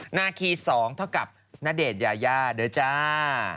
นาคี๒เท่ากับณเดชน์ยายาด้วยจ้า